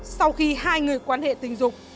sau khi hai người quan hệ tình dục